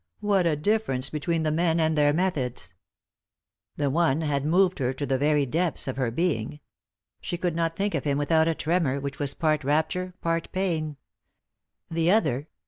What a difference between the men and their methods 1 The one had moved her to the very depths of her being. She could not think of him without a tremor, which was part rapture, part pain. The other